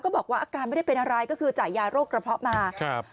บอกว่าอาการไม่ได้เป็นอะไรก็คือจ่ายยาโรคกระเพาะมาครับ